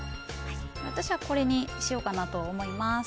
私はこれにしようかなと思います。